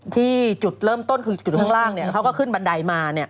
จุดเริ่มต้นคือจุดข้างล่างเขาก็ขึ้นบันไดมา